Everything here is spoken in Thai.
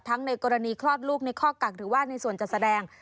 ในกรณีคลอดลูกในข้อกักหรือว่าในส่วนจัดแสดง